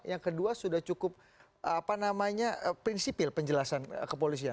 yang kedua sudah cukup prinsipil penjelasan kepolisian